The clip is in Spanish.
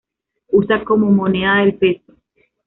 Usa como moneda el peso.